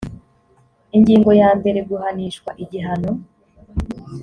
ingingo ya mbere guhanishwa igihano